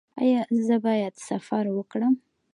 ایا زه باید سفر وکړم؟